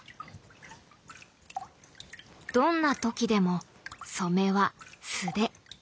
どんな時でも染めは「素手」。